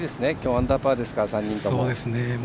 アンダーパーですから、３人とも。